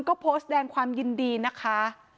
ก็โพสต์แสดงความยินดีนะคะ